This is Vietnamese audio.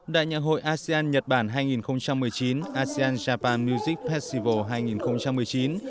đại nhạc hội asean nhật bản hai nghìn một mươi chín asean japan music festival hai nghìn một mươi chín